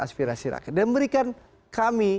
aspirasi rakyat dan berikan kami